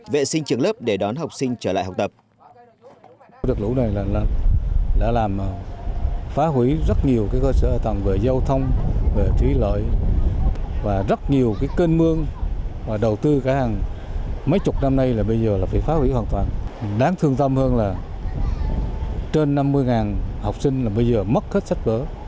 vệ sinh trường lớp để đón học sinh trở lại học tập